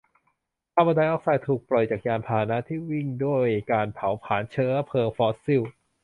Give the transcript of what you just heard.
คาร์บอนไดออกไซด์ถูกปล่อยจากยานพาหนะที่วิ่งด้วยการเผาพลาญเชื้อเพลิงฟอสซิล